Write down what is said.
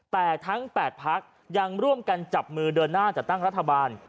แต่ทั้ง๘พักยังร่วมกันจับมือเดินหน้าจัดตั้งรัฐบาล